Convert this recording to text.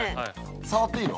触っていいの？